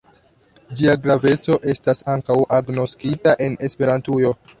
Ĝia graveco estas ankaŭ agnoskita en Esperantujo.